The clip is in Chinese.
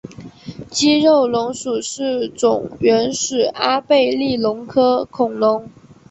肌肉龙属是种原始阿贝力龙科恐龙。